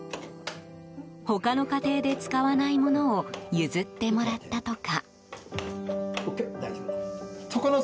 他の家庭で使わないものを譲ってもらったとか。